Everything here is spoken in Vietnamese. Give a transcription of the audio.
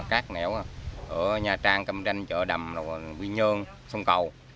các nẻo ở nha trang câm tranh chợ đầm quy nhơn sông cầu